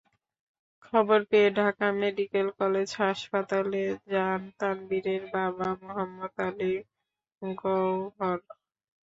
খবর পেয়ে Dhaka medical college হাসপাতালে যান তানভীরের বাবা মোহাম্মদ আলী গওহর।